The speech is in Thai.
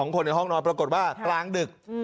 คนในห้องนอนปรากฏว่ากลางดึก